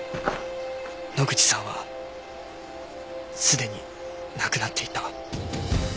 野口さんはすでに亡くなっていた。